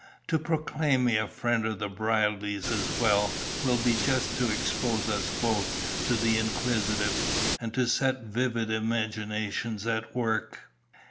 To proclaim me a friend of the Brierlys as well, will be just to expose us both to the inquisitive, and to set vivid imaginations at work."